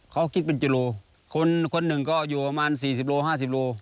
เขาคิดเป็นกิโลคนหนึ่งก็อยู่ประมาณ๔๐โลห้าสิบโล